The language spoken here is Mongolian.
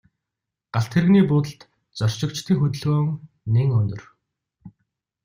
Галт тэрэгний буудалд зорчигчдын хөдөлгөөн нэн өнөр.